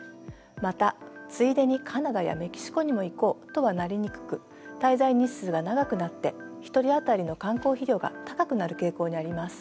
また「ついでにカナダやメキシコにも行こう」とはなりにくく滞在日数が長くなって１人当たりの観光費用が高くなる傾向にあります。